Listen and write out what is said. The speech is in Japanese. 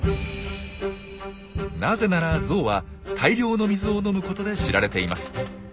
なぜならゾウは大量の水を飲むことで知られています。